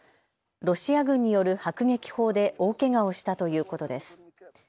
ロシア軍による迫撃砲で大けがをしたということです。